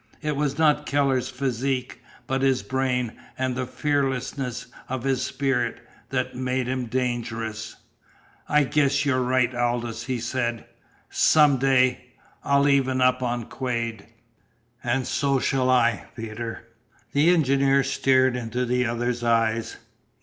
It was not Keller's physique, but his brain, and the fearlessness of his spirit, that made him dangerous. "I guess you're right, Aldous," he said. "Some day I'll even up on Quade." "And so shall I, Peter." The engineer stared into the other's eyes.